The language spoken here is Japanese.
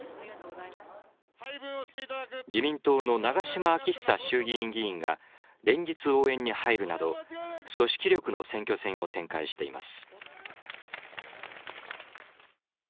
自民党の長島昭久衆議院議員が連日、応援に入るなど、組織力の選挙戦を展開しています。